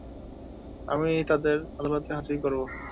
আমি তাদের আদালতে হাজির করব।